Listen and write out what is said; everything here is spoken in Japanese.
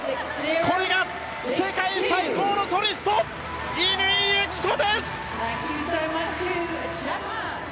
これが、世界最高のソリスト乾友紀子です！